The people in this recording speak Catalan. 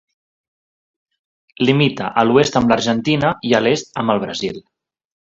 Limita a l'oest amb l'Argentina i a l'est amb el Brasil.